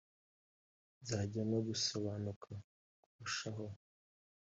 Byajya no gusobanuka kurushaho